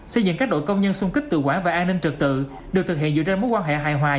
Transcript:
xây dựng các đội công nhân xung kích tự quản và an ninh trực tự được thực hiện dựa trên mối quan hệ hài hòa